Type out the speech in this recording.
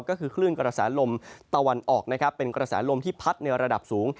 ก็คือคลื่นกระแสลมตะวันออกนะครับเป็นกระแสลมที่พัดในระดับสูง